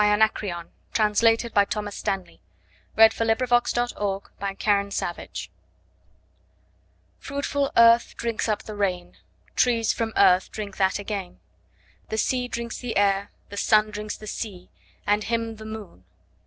Anakreon (Translated by Thomas Stanley) All Things Drink Fruitful earth drinks up the rain; Trees from earth drink that again; The sea drinks the air, the sun Drinks the sea, and him the moon.